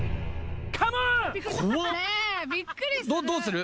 どうする？